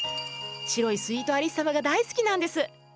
白いスイートアリッサムが大好きなんです。